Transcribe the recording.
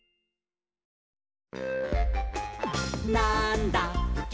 「なんだっけ？！